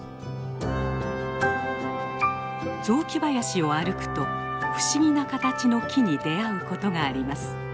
雑木林を歩くと不思議な形の木に出会うことがあります。